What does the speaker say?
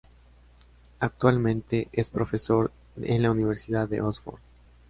Actualmente es profesor en la Universidad de Oxford.